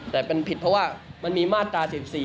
แต่มันผิดเพราะว่ามันมีมาตรา๑๔